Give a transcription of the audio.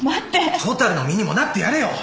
ほたるの身にもなってやれよ！